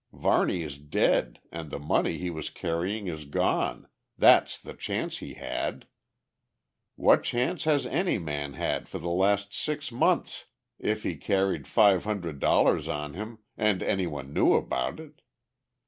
Varney is dead and the money he was carrying is gone, that's the chance he had! What chance has any man had for the last six months if he carried five hundred dollars on him and any one knew about it?